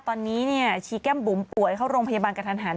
ตอนนี้ชีแก้มบุ๋มป่วยเข้าโรงพยาบาลกระทันหัน